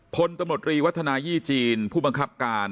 พลตำรวจรีวัฒนายี่จีนผู้บังคับการ